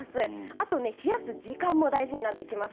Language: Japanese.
あとは冷やす時間も大事になってきます。